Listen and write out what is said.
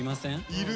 いる！